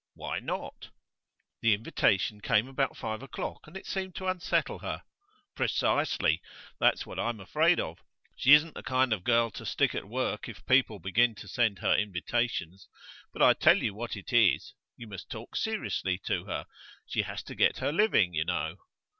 'Why not?' 'The invitation came about five o'clock, and it seemed to unsettle her.' 'Precisely. That's what I'm afraid of. She isn't the kind of girl to stick at work if people begin to send her invitations. But I tell you what it is, you must talk seriously to her; she has to get her living, you know.